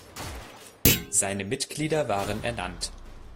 Seine Mitglieder waren ernannt.